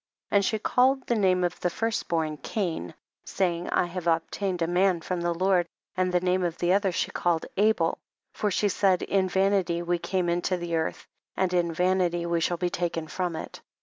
13. And she called the name of the first born Cain, saying, I have obtained a man from the Lord, and the name of the other slie called Abel, for she said, in vanity we came into the earth and in vanity we shall be taken from it.